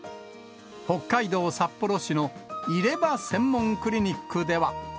北海道札幌市の入れ歯専門クリニックでは。